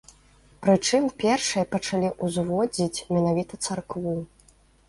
Прычым, першай пачалі ўзводзіць менавіта царкву.